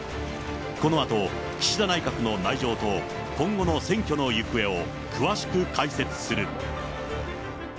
このあと、岸田内閣の内情と、今後の選挙の行方を詳しく解説する。